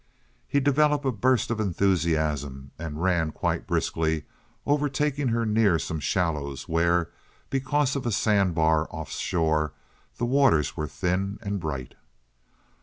He developed a burst of enthusiasm and ran quite briskly, overtaking her near some shallows where, because of a sandbar offshore, the waters were thin and bright.